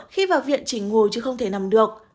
khi vào viện chỉ ngồi chứ không thể nằm được